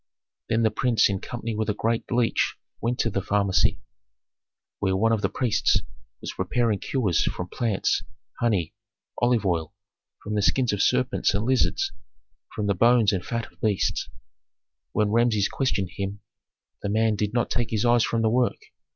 " Authentic. Then the prince in company with a great leech went to the pharmacy, where one of the priests was preparing cures from plants, honey, olive oil, from the skins of serpents and lizards, from the bones and fat of beasts. When Rameses questioned him, the man did not take his eyes from the work.